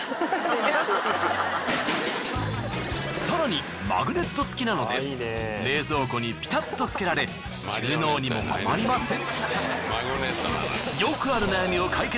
更にマグネット付きなので冷蔵庫にピタッとつけられ収納にも困りません。